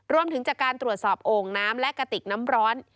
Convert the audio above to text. รวมถึงจากการตรวจสอบโอ่งน้ำและกระติกน้ำร้อน